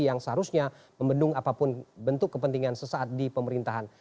yang seharusnya membendung apapun bentuk kepentingan sesaat di pemerintahan